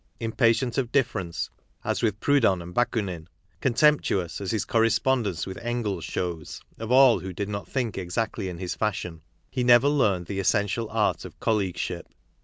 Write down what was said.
Impatient of difference, as with Proudhon and Bakunin, contemptuous, as his corre spondence with Engels shows, of all who did not think exactly in his fashion, he never learned the essential art of colleagueship.